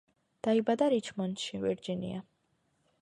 დაიბადა რიჩმონდში, ვირჯინია.